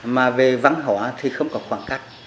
mà về văn hóa thì không có khoảng cách